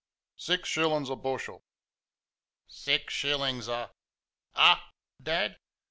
"Six shillings a bushel." "Six shil lings a.... A, Dad?